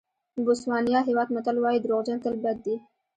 بوسوانیا هېواد متل وایي دروغجن تل بد دي.